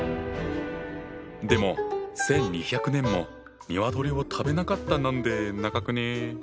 でも１，２００年も鶏を食べなかったなんて長くね？